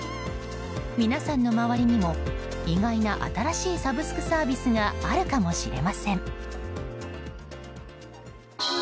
皆さんの周りにも意外な新しいサブスクサービスがあるかもしれません。